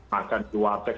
makan di warteg